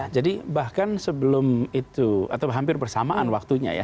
jadi bahkan sebelum itu atau hampir bersamaan waktunya ya